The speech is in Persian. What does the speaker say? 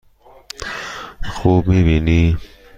خوب می بینی؟